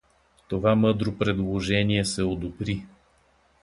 Това мъдро предложение се одобри.